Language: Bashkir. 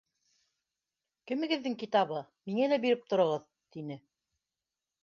Кемегеҙҙең китабы, миңә лә биреп тороғоҙ, — тине.